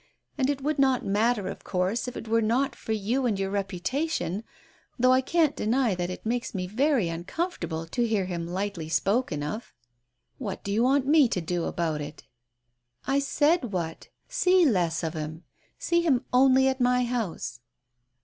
And it would not matter, of course, if it were not for you and your reputation, though I can't deny that it makes me very uncomfortable to hear him lightly spoken of." " What do you want me to do about it ?" "I said what. See less of him. See him only at my house."